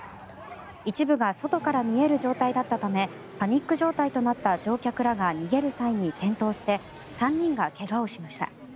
一部が外から見える状態だったためパニック状態となった乗客らが逃げる際に転倒して３人が怪我をしました。